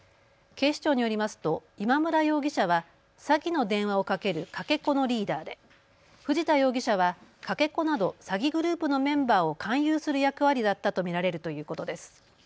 警視庁によりますと今村容疑者は詐欺の電話をかけるかけ子のリーダーで藤田容疑者はかけ子など詐欺グループのメンバーを勧誘する役割だったと見られるということです。